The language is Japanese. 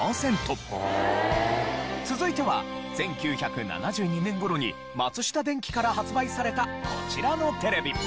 続いては１９７２年頃に松下電器から発売されたこちらのテレビ。